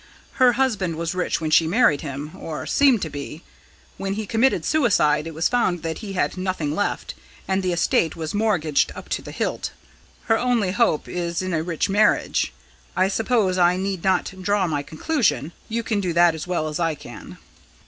Her husband was rich when she married him or seemed to be. When he committed suicide, it was found that he had nothing left, and the estate was mortgaged up to the hilt. Her only hope is in a rich marriage. I suppose I need not draw any conclusion; you can do that as well as I can."